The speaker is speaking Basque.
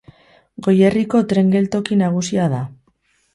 Goierriko tren geltoki nagusia da.